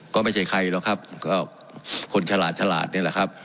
ก็ไม่ใช่ใครหรอกครับก็คนฉลาดฉลาดนี่แหละครับ